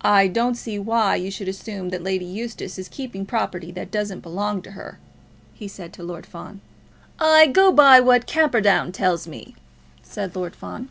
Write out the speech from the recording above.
"I don't see why you should assume that Lady Eustace is keeping property that doesn't belong to her," he said to Lord Fawn. "I go by what Camperdown tells me," said Lord Fawn.